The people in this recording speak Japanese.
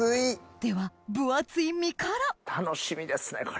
では分厚い身から楽しみですねこれ。